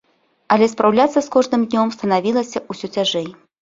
Але спраўляцца з кожным днём станавілася ўсё цяжэй.